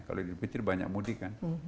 kalau idul fitri banyak mudik kan